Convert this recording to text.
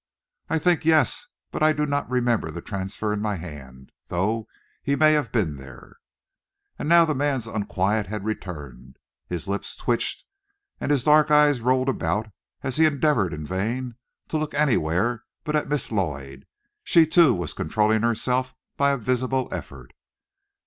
"I think, yes; but I do not remember the transfer in my hand, though he may have been there." And now the man's unquiet had returned. His lips twitched and his dark eyes rolled about, as he endeavored in vain to look anywhere but at Miss Lloyd. She, too, was controlling herself by a visible effort.